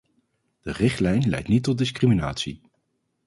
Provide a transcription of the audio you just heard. De richtlijn leidt niet tot discriminatie.